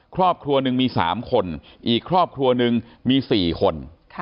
ครอบครัวหนึ่งมี๓คนอีกครอบครัวหนึ่งมี๔คน